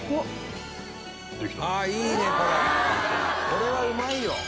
「これはうまいよ」